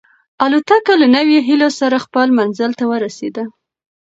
الوتکه له نویو هیلو سره خپل منزل ته ورسېده.